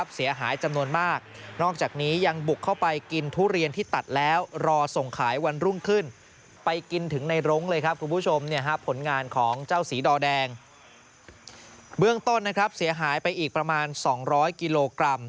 สีดอแดงเบื้องต้นนะครับเสียหายไปอีกประมาณสองร้อยกิโลกรัม